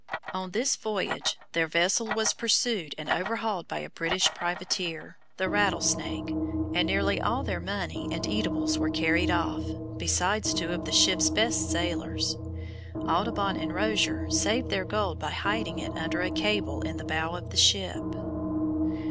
On this voyage their vessel was pursued and overhauled by a British privateer, the Rattlesnake, and nearly all their money and eatables were carried off, besides two of the ship's best sailors. Audubon and Rozier saved their gold by hiding it under a cable in the bow of the ship.